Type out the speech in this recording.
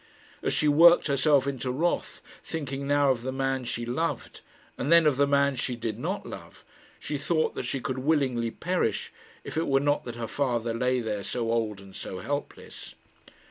As she worked herself into wrath, thinking now of the man she loved, and then of the man she did not love, she thought that she could willingly perish if it were not that her father lay there so old and so helpless.